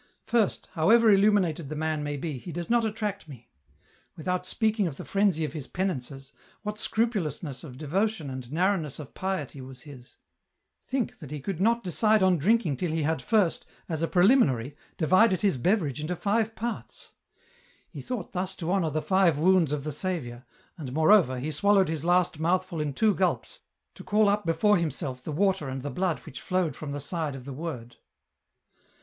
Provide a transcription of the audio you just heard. First, however illuminated the man may be, he does not attract me. Without speaking of the frenzy of his penances, what scrupulousness of devotion and narrowness of piety was his ! Think that he could not decide on drinking till he had first, as a preliminary, divided his beverage into five parts. He thought thus to honour the five wounds of the Saviour, and, moreover, he swallowed his last mouthful in two gulps to call up before himself the water and the blood which flowed from the side of the Word.